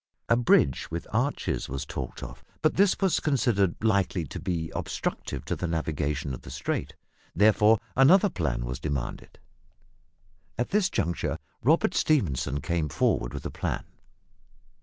A bridge with arches was talked of, but this was considered likely to be obstructive to the navigation of the strait, therefore another plan was demanded. At this juncture Robert Stephenson came forward with a plan.